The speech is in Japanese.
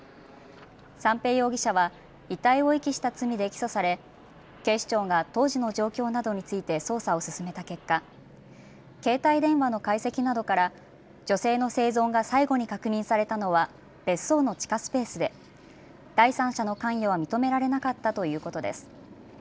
三瓶容疑者は遺体を遺棄した罪で起訴され警視庁が当時の状況などについて捜査を進めた結果、携帯電話の解析などから女性の生存が最後に確認されたのは別荘の地下スペースで第三者の関与は認められなかったということです。